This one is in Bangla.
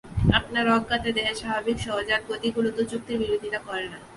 আপনার অজ্ঞাতে দেহের স্বাভাবিক সহজাত গতিগুলি তো যুক্তির বিরোধিতা করে না।